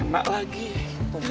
tunggu enggak lagi